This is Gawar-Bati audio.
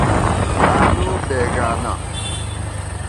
تانُو بېگانہ